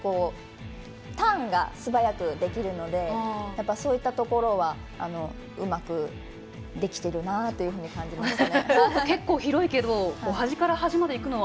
ターンがすばやくできるのでそういったところはうまくできているなと感じました。